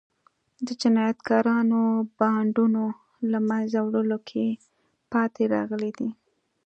د جنایتکارو بانډونو له منځه وړلو کې پاتې راغلي دي.